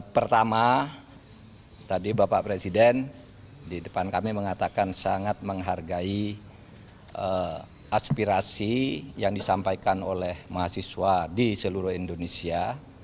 pertama tadi bapak presiden di depan kami mengatakan sangat menghargai aspirasi yang disampaikan oleh mahasiswa di seluruh indonesia